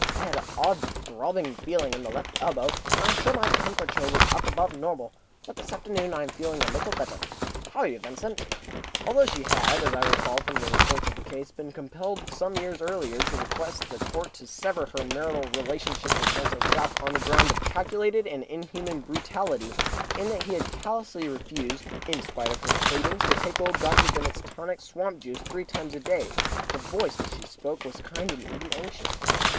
I had an odd throbbing feeling in the left elbow, and I am sure my temperature was above the normal. But this afternoon I am a little better. How are you, Vincent?" Although she had, as I recalled from the reports of the case, been compelled some years earlier to request the Court to sever her marital relations with Vincent Jopp on the ground of calculated and inhuman brutality, in that he had callously refused, in spite of her pleadings, to take old Dr. Bennett's Tonic Swamp Juice three times a day, her voice, as she spoke, was kind and even anxious.